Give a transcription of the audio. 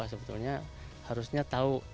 sebetulnya harusnya tahu